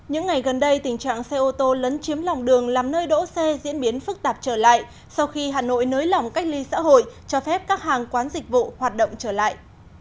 những ngày gần đây tình trạng xe ô tô lấn chiếm lòng đường làm nơi đỗ xe diễn biến phức tạp trở lại sau khi hà nội nới lỏng cách ly xã hội cho phép các hàng quán dịch vụ hoạt động trở lại